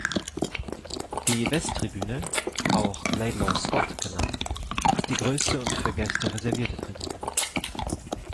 Die Westtribüne, auch "Laidlaw Scott" genannt, ist die größte und für Gäste reservierte Tribüne.